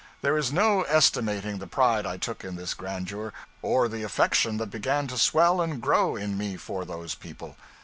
There is no estimating the pride I took in this grandeur, or the affection that began to swell and grow in me for those people.